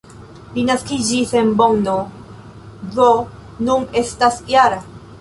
Li naskiĝis en Bonno, do nun estas -jara.